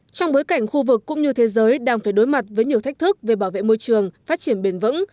trong bối cảnh khu vực cũng như thế giới đang phải đối mặt với nhiều thách thức về bảo vệ môi trường phát triển bền vững